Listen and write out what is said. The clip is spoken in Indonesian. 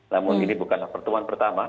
namun ini bukanlah pertemuan pertama